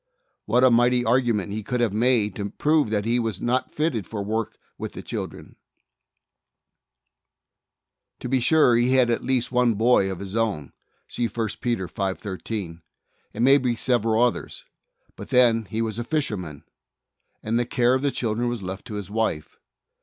What a mighty argument he could have made to prove that he was not fitted for work with the children! To be sure he had at least soul winner's commission. 14S one boy of his own (see i Peter 5; 13), and maybe several others, but then, he was a fisherman, and the care of the children was left to his wife.